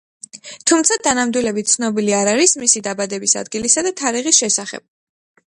თუმცა დანამდვილებით ცნობილი არ არის მისი დაბადების ადგილისა და თარიღის შესახებ.